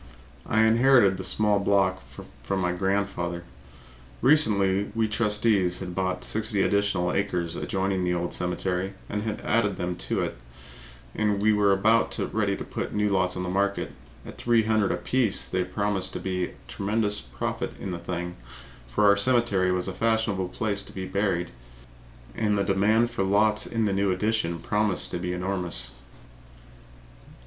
I inherited the small block I own from my grandfather. Recently we trustees had bought sixty additional acres adjoining the old cemetery and had added them to it, and we were about ready to put the new lots on the market. At $300 apiece there promised to be a tremendous profit in the thing, for our cemetery was a fashionable place to be buried in and the demand for the lots in the new addition promised to be enormous.